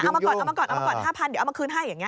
เอามาก่อน๕๐๐๐เดี๋ยวเอามาคืนให้อย่างนี้